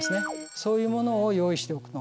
そういうものを用意しておくのが。